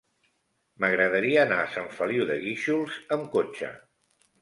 M'agradaria anar a Sant Feliu de Guíxols amb cotxe.